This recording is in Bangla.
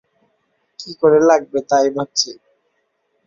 কী করে লাগবে তাই ভাবছি।